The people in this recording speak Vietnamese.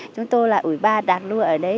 chúng tôi là ủy ba đạt lưu ở đấy